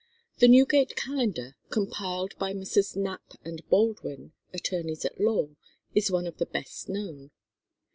The "Newgate Calendar," compiled by Messrs. Knapp and Baldwin, attorneys at law, is one of the best known.